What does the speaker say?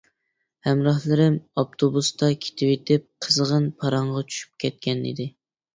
ھەمراھلىرىم ئاپتوبۇستا كېتىۋېتىپ قىزغىن پاراڭغا چۈشۈپ كەتكەنىدى.